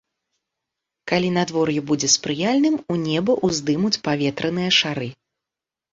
Калі надвор'е будзе спрыяльным, у неба ўздымуць паветраныя шары.